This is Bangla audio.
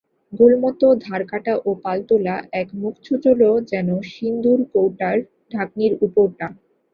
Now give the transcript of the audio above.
গোলমতো, ধারকাটা ও পালতোলা, এক মুখ ছুচোলো-যেন সিন্দূর কৌটার ঢাকনির উপরটা।